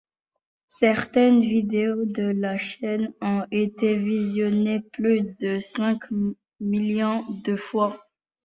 Certaines vidéos de la chaîne ont été visionnées plus de cinq millions de fois.